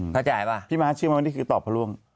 เข็มมาชื่อไหมป็อตบว่าร่วง